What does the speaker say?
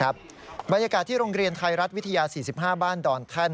บรรยากาศที่โรงเรียนไทยรัฐวิทยา๔๕บ้านดอนแท่น